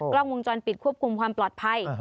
กล้องวงจรปิดควบคุมความปลอดภัย